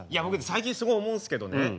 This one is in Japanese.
僕最近すごい思うんですけどね